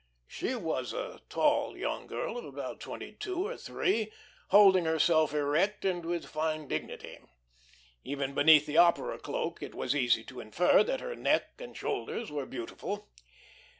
She was a tall young girl of about twenty two or three, holding herself erect and with fine dignity. Even beneath the opera cloak it was easy to infer that her neck and shoulders were beautiful.